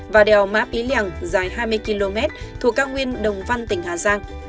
và đèo máp ý lèng dài hai mươi km thuộc cao nguyên đồng văn tỉnh hà giang